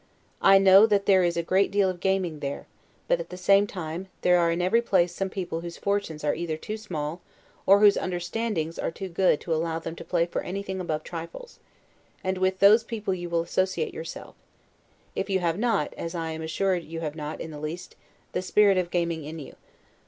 I know that there is a great deal of gaming there; but, at the same time, there are in every place some people whose fortunes are either too small, or whose understandings are too good to allow them to play for anything above trifles; and with those people you will associate yourself, if you have not (as I am assured you have not, in the least) the spirit of gaming in you.